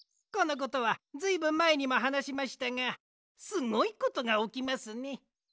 このことはずいぶんまえにもはなしましたがすごいことがおきますね。